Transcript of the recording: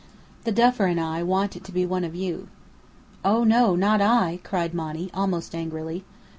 The Duffer and I want it to be one of you." "Oh no, not I!" cried Monny, almost angrily.